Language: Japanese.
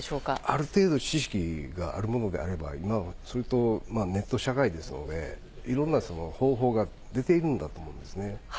ある程度、知識がある者であれば、それとネット社会ですので、いろんな方法が出ているんだと思うんですね。